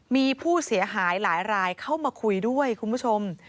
มีผู้เสียหายหลายรายเข้ามาคุยด้วยคุณผู้ชม